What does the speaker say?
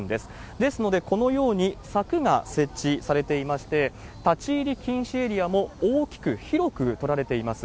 ですので、このように柵が設置されていまして、立ち入り禁止エリアも大きく広く取られています。